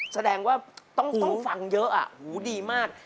แสดงว่าต้องฟังเยอะดีมาก